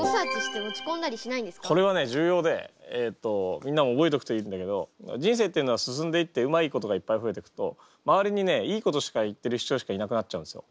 これはね重要でえっとみんなも覚えとくといいんだけど人生っていうのは進んでいってうまいことがいっぱい増えていくと周りにねいいことしか言ってる人しかいなくなっちゃうんですよ。